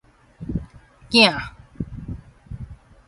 囝